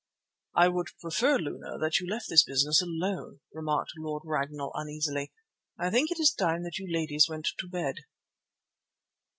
"I would prefer, Luna, that you left this business alone," remarked Lord Ragnall uneasily. "I think it is time that you ladies went to bed."